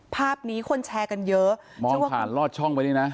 ภาพนี้คนแชร์กันเยอะมองผ่านลอดช่องไปนี่นะ